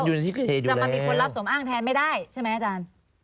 อยู่ในที่เกิดเหตุอยู่แล้วจะมีคนรับสมอ้างแทนไม่ได้ใช่ไหมอาจารย์